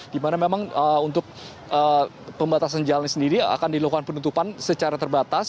di mana memang untuk pembatasan jalan sendiri akan dilakukan penutupan secara terbatas